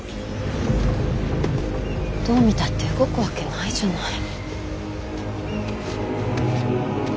どう見たって動くわけないじゃない。